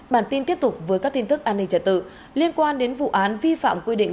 bản tin tiếp tục với các tin tức an ninh trật tự liên quan đến vụ án vi phạm quy định